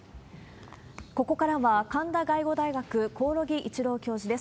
ここからは神田外語大学、興梠一郎教授です。